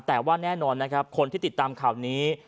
แต่ว่าแน่นอนนะครับคนที่ติดตามข่าวนี้